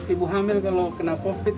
ibu hamil kalau kena covid